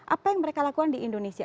apa yang mereka lakukan di indonesia